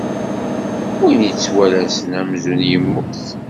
Win yettwalasen amzun yemmut.